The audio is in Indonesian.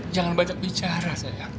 jangan banyak bicara sayang